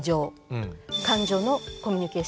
感情のコミュニケーション。